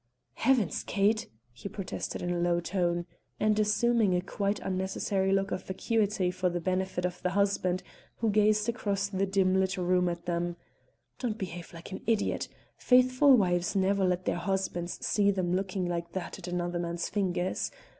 "Heavens! Kate!" he protested in a low tone, and assuming a quite unnecessary look of vacuity for the benefit of the husband, who gazed across the dim lit room at them, "don't behave like an idiot; faithful wives never let their husbands see them looking like that at another man's fingers.